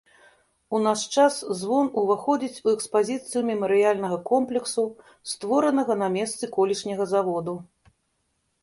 У наш час звон уваходзіць у экспазіцыю мемарыяльнага комплексу, створанага на месцы колішняга заводу.